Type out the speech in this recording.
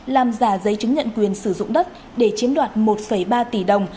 làm giả giấy chứng nhận quyền sử dụng đất để chiếm đoạt một ba tỷ đồng